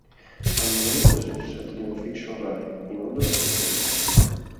Al momento è sul set di una fiction Rai, in onda da settembre.